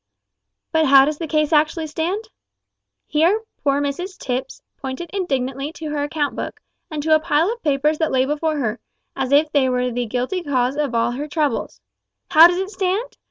But how does the case actually stand?" Here poor Mrs Tipps pointed indignantly to her account book, and to a pile of papers that lay before her, as if they were the guilty cause of all her troubles. "How does it stand?